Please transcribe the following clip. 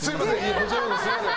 こちらこそすみません。